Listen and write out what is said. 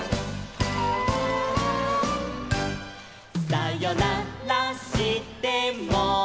「さよならしても」